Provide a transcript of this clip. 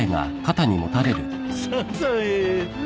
サザエ。